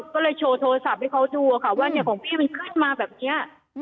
ก็เลยโชว์โทรศัพท์ให้เขาดูค่ะว่าของพี่มันขึ้นมาแบบนี้